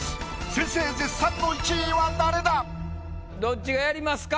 先生絶賛の１位は誰だ⁉どっちがやりますか？